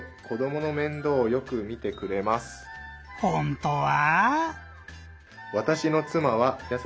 ほんとは？